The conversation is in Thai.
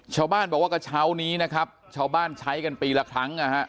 ชาวบ้านบอกว่ากระเช้านี้นะครับชาวบ้านใช้กันปีละครั้งนะฮะ